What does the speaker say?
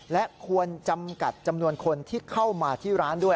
และควรจำกัดจำนวนคนที่เข้ามาที่ร้านด้วย